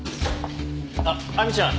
あっ亜美ちゃん。